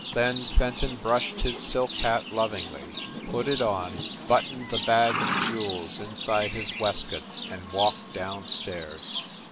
Then Fenton brushed his silk hat lov ingly, put it on, buttoned the bag of jewels inside his waistcoat and walked down stairs.